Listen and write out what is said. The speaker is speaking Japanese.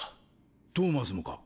トーマスもか？